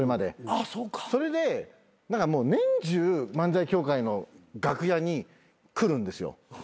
それで年中漫才協会の楽屋に来るんですよ。